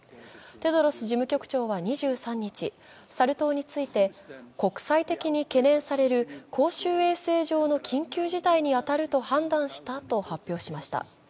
テドロス事務局長はサル痘について、国際的に懸念される公衆衛生上の緊急事態に当たると判断したと発表しました。